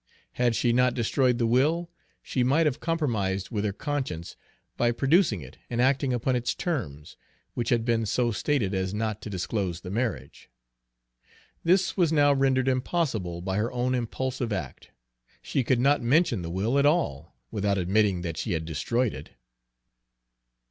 Had she not destroyed the will, she might have compromised with her conscience by producing it and acting upon its terms, which had been so stated as not to disclose the marriage. This was now rendered impossible by her own impulsive act; she could not mention the will at all, without admitting that she had destroyed it.